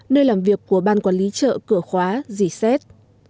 nơi làm việc của ban quản lý chợ cửa khóa dì xét